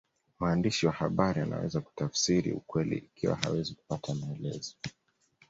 Mwandishi wa habari anaweza kutafsiri ukweli ikiwa hawezi kupata maelezo